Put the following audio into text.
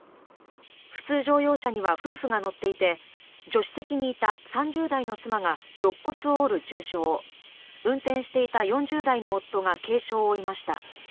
普通乗用車には夫婦が乗っていて助手席にいた３０代の妻がろっ骨を折る重傷運転していた４０代の夫が軽傷を負いました。